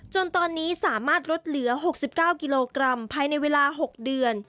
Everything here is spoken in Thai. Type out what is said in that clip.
จนตอนนี้สามารถลดเหลือ๖๙กิโลกรัมภายในเวลา๖เดือน